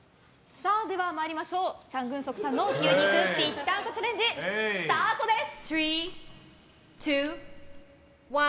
ではチャン・グンソクさんの牛肉ぴったんこチャレンジスタートです！